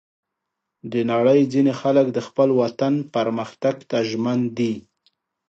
د نړۍ ځینې خلک د خپل وطن پرمختګ ته ژمن دي.